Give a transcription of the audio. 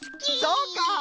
そうか。